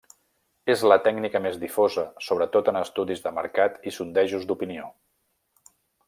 És la tècnica més difosa sobretot en estudis de mercat i sondejos d'opinió.